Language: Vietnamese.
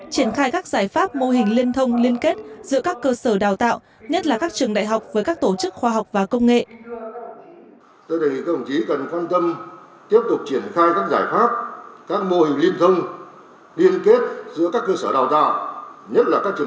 triển khai các giải pháp mô hình liên thông liên kết giữa các cơ sở đào tạo nhất là các trường đại học với các tổ chức khoa học và công nghệ